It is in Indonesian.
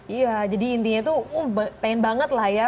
iya jadi intinya tuh pengen banget lah ya